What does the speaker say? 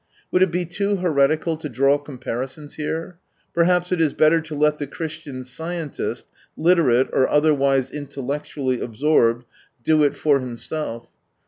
Would it be too heretical to draw comparisons here ? Perhaps it is better to let the Christian scientist, literate, or otherwise intellectually absorbed, do it for himself.